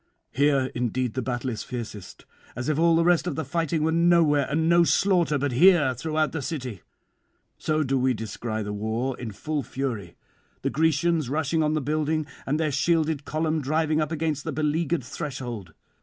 'Here indeed the battle is fiercest, as if all the rest of the fighting were nowhere, and no slaughter but here throughout the city, so do we descry the war in full fury, the Grecians rushing on the building, and their shielded column driving up against the beleaguered threshold.